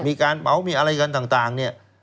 มีการป๋าวมีอะไรกันต่าง